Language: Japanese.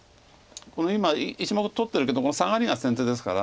今１目取ってるけどサガリが先手ですから。